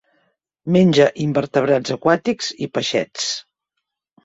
Menja invertebrats aquàtics i peixets.